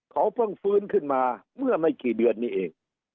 เขาเพิ่งฟื้นขึ้นมาเมื่อไม่กี่เดือนนี้เอง